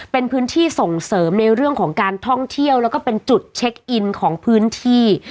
เป็นพื้นที่ส่งเสริมในเรื่องของการท่องเที่ยวแล้วก็เป็นจุดเช็คอินของพื้นที่